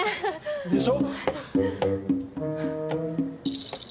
でしょ？